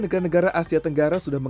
dari pabrik genting rumahan